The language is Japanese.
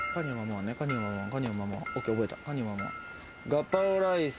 ガパオライス。